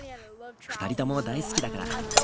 ２人とも大好きだから。